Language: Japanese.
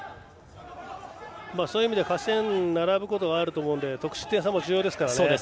そういう意味では勝ち点で並ぶことがあるので得失点差も重要ですからね。